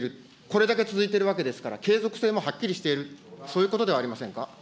これだけ続いているわけですから、継続性もはっきりしている、そういうことではありませんか。